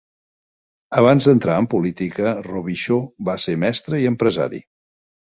Abans d'entrar en política, Robichaud va ser mestre i empresari.